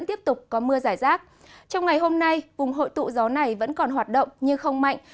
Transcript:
trong ngày hôm nay vùng hội tụ gió này vẫn còn hoạt động nhưng không mạnh